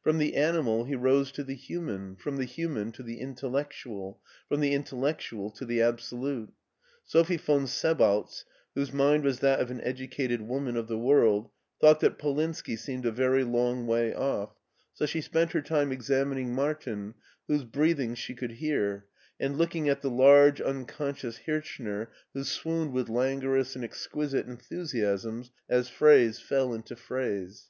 From the animal he rose to the human, from the human to the intellectual, from the intel lectual to the absolute. Sophie von Sebaltz, whose mind was that of an educated woman of the world, thought that Polinski seemed a very long way off, so she spent her time examining Martin, whose breath ings she could hear, and looking at the large, un conscious Hirchner who swooned with languorous and exquisite enthusiasms as phrase fell into phrase.